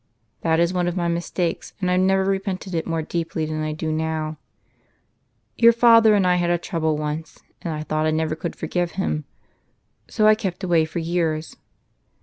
That is one of my mistakes, and I never repented it more deeply than I do now. Your father and I had a trouble once, and I thought I never could forgive him ; so I kept away for years.